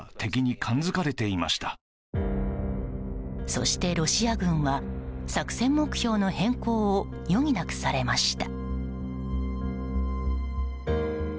そしてロシア軍は、作戦目標の変更を余儀なくされました。